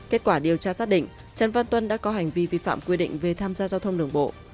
kết quả điều tra xác định trần văn tuân đã có hành vi vi phạm quy định về tham gia giao thông đường bộ